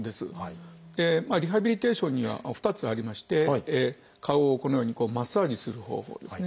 リハビリテーションには２つありまして顔をこのようにマッサージする方法ですね。